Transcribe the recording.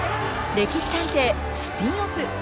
「歴史探偵」スピンオフ。